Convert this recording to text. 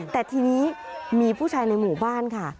แต่ทีนี้มีผู้ชายในหมู่บ้านค่ะ